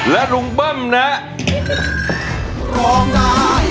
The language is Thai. แล้วลุงเบิ้มนะ